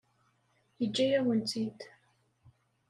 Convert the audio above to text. Yeǧǧa-yawen-tt-id.